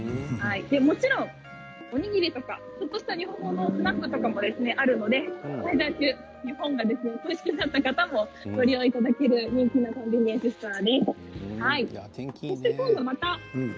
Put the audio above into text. もちろん、おにぎりとかちょっとした日本のスナックとかもあるので日本が恋しくなった方もご利用いただける人気のコンビニエンスストアです。